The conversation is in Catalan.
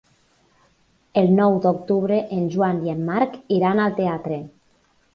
El nou d'octubre en Joan i en Marc iran al teatre.